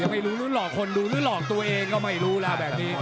ไม่รู้หรือหลอกคนดูหรือหลอกตัวเองก็ไม่รู้แล้วแบบนี้